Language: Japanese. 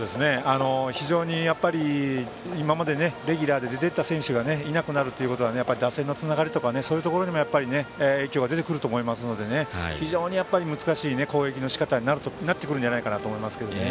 非常に、今までレギュラーで出ていた選手がいなくなるということは打線のつながりとかそういうところにも影響が出てくると思いますので非常に難しい攻撃のし方になってくるんじゃないかと思います。